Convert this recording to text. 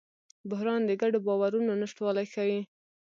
بحران د ګډو باورونو نشتوالی ښيي.